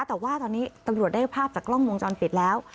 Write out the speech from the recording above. แต่ว่าตอนนี้ตำรวจได้ภาพจากกล้องวงจรปิดแล้ว